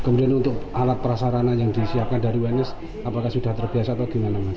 kemudian untuk alat prasarana yang disiapkan dari wnis apakah sudah terbiasa atau gimana mas